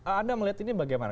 anda melihat ini bagaimana